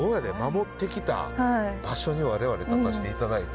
守ってきた場所に我々立たせていただいて。